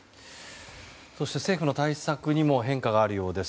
そして、政府の対策にも変化があるようです。